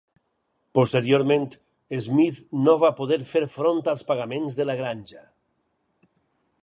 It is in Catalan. Posteriorment, Smith no va poder fer front als pagaments de la granja.